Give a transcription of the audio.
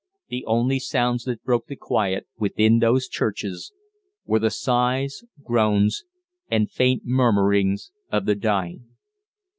The only sounds that broke the quiet within those churches were the sighs, groans, and faint murmurings of the dying.